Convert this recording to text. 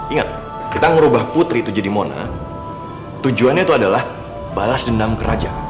ingat kita merubah putri itu jadi mona tujuannya itu adalah balas dendam ke raja